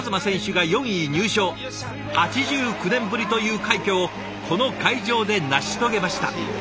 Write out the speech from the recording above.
８９年ぶりという快挙をこの会場で成し遂げました。